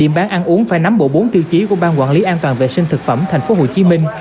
điểm bán ăn uống phải nắm bộ bốn tiêu chí của ban quản lý an toàn vệ sinh thực phẩm tp hcm